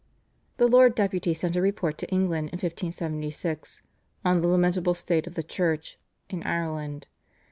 The Lord Deputy sent a report to England in 1576 "on the lamentable state of the Church" in Ireland.